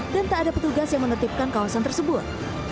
dan tak ada petugas yang menertibkan kawasan tersebut